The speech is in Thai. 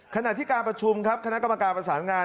ขณะที่การประชุมครับคณะกรรมการประสานงาน